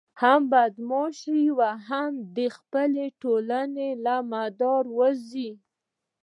هم بدماش شي او هم د خپلې ټولنې له مدار ووزي.